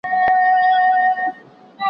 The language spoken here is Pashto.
پخوانيو زمانو كي يو لوى ښار وو